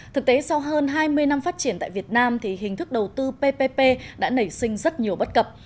thực tế sau hơn hai mươi năm phát triển tại việt nam thì hình thức đầu tư ppp đã nảy sinh rất nhiều bất cập